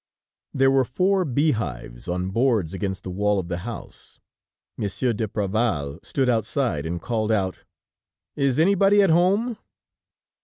There were four bee hives on boards against the wall of the house. Monsieur d'Apreval stood outside and called out: "Is anybody at home?"